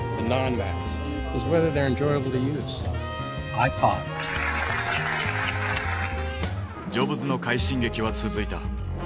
ｉＰｏｄ．ジョブズの快進撃は続いた。